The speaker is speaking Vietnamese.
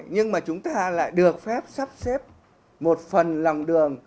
nhưng mà chúng ta lại được phép sắp xếp một phần lòng đường